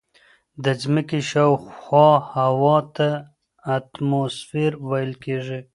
د ځمکې شاوخوا هوا ته اتموسفیر ویل کیږي.